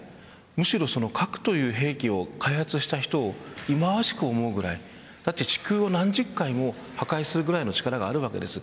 むしろ核という兵器を開発した人をいまわしく思うぐらいだって地球を何十回も破壊するぐらいの力があるわけです。